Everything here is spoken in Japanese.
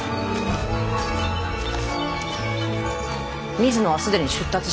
水野は既に出立したか。